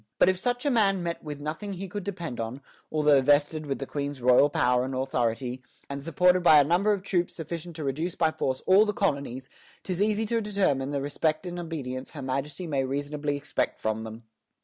But if such a Man mett with nothing he could depend on, altho' vested with the Queen's Royal Power and Authority, and Supported by a Number of Troops sufficient to reduce by force all the Coloneys, 'tis easy to determine the Respect and Obedience her Majesty may reasonably expect from them."